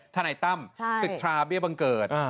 ทนายตั้มสิทธาเบี้ยบังเกิด